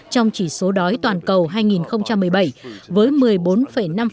trong chỉ số đói toàn cầu hai nghìn một mươi chín với vấn đề nông dưới bốn mươi bosses người bắc